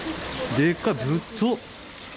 でっか、ぶっと。